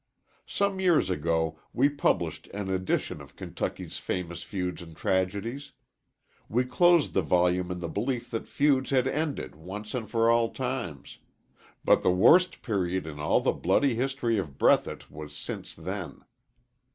Some years ago we published an edition of Kentucky's Famous Feuds and Tragedies. We closed the volume in the belief that feuds had ended once and for all times. But the worst period in all the bloody history of Breathitt was since then.